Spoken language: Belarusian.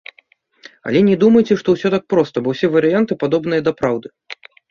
Але не думайце, што ўсё так проста, бо ўсе варыянты падобныя да праўды.